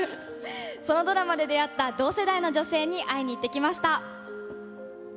そのドラマで出会った同世代の女性に会いに行ってきました。